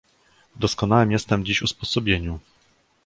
"W doskonałem jestem dziś usposobieniu!"